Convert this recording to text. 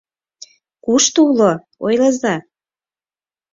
Кушто уло, ойлыза?